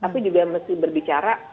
tapi juga mesti berbicara